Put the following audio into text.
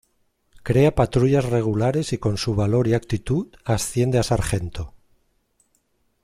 Crea patrullas regulares y con su valor y actitud asciende a sargento.